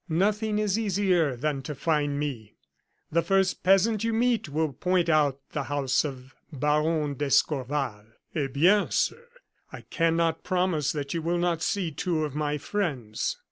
"Nothing is easier than to find me. The first peasant you meet will point out the house of Baron d'Escorval." "Eh bien! sir, I cannot promise that you will not see two of my friends."